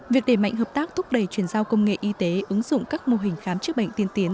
việc đề mạnh hợp tác thúc đẩy chuyển giao công nghệ y tế ứng dụng các mô hình khám chữa bệnh tiên tiến